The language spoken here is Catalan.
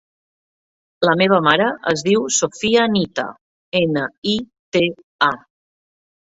La meva mare es diu Sofía Nita: ena, i, te, a.